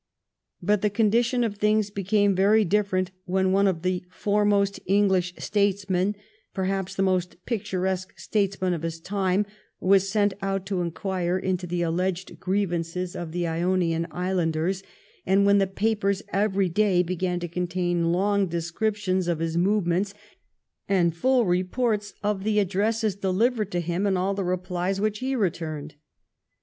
But the condition of things became very different when one of the foremost THE IONIAN ISLANDS 21 5 English statesmen, perhaps the most picturesque statesman of his time, was sent out to inquire into the alleged grievances of the Ionian Islanders, and when the papers every day began to contain long descriptions of his movements and full reports of all the addresses delivered to him and all the replies which he returned.